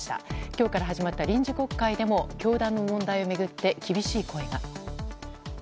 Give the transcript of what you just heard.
今日から始まった臨時国会でも教団の問題を巡って厳しい声が。